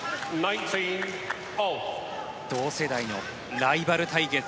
同世代のライバル対決。